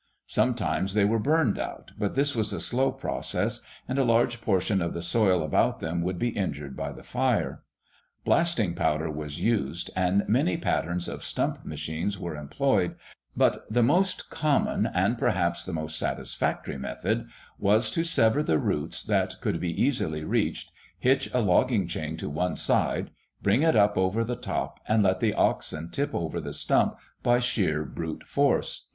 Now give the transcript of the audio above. Sometimes they were burned out, but this was a slow process, and a large portion of the soil about them would be injured by the fire. Blasting powder was used and many patterns of stump machines were employed, but the most common and perhaps the most satisfactory method was to sever the roots that could be easily reached, hitch a logging chain to one side, bring it up over the top and let the oxen tip over the stump by sheer brute force.